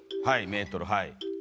はいメートルはい。